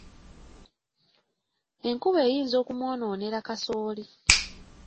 Enkuba eyinza okumwonoonera kasooli.